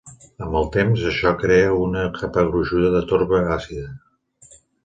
Amb el temps, això crea una capa gruixuda de torba àcida.